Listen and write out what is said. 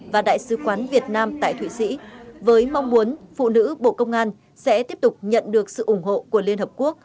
và đại sứ quán việt nam tại thụy sĩ với mong muốn phụ nữ bộ công an sẽ tiếp tục nhận được sự ủng hộ của liên hợp quốc